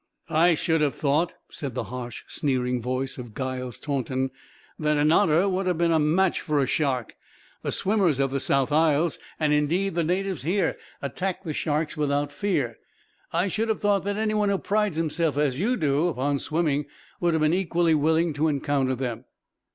"I should have thought," said the harsh, sneering voice of Giles Taunton, "that an Otter would have been a match for a shark. The swimmers of the South Isles, and indeed the natives here, attack the sharks without fear. I should have thought that anyone who prides himself, as you do, upon swimming, would have been equally willing to encounter them."